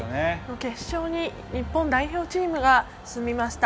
決勝に日本代表チームが進みました。